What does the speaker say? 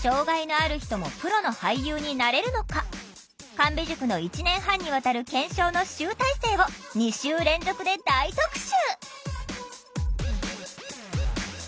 神戸塾の１年半にわたる検証の集大成を２週連続で大特集！